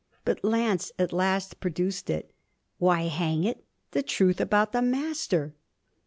But Lance at last produced it. 'Why, hang it, the truth about the Master.'